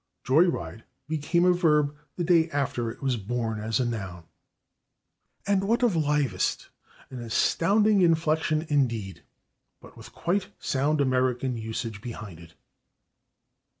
/Joy ride/ became a verb the day after it was born as a noun. And what of /livest/? An astounding inflection, indeed but with quite sound American usage behind it.